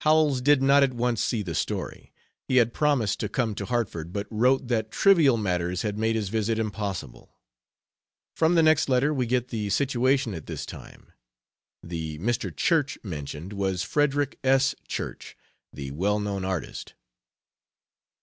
Howells did not at once see the story. He had promised to come to Hartford, but wrote that trivial matters had made his visit impossible. From the next letter we get the situation at this time. The "Mr. Church" mentioned was Frederick S. Church, the well known artist.